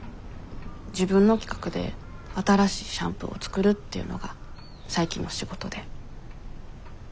自分の企画で新しいシャンプーを作るっていうのが最近の仕事で。